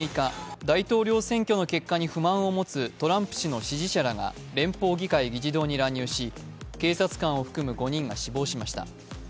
去年１月６日、大統領選挙の結果に不満を持つトランプ氏の支持者らが連邦議会議事堂に乱入し警察官を含む５人が死亡しました。